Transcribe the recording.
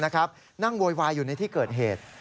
นั่งโวยวายอยู่ในที่เกิดเหตุ